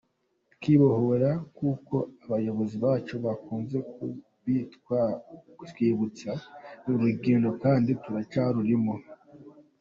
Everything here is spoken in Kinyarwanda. Kwibohora, nk’uko abayobozi bacu bakunze kubitwibutsa, ni urugendo kandi turacyarurimo.